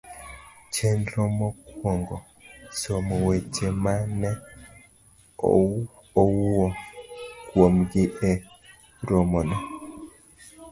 Chenro mokuongo. somo weche ma ne owuo kuomgi e romono.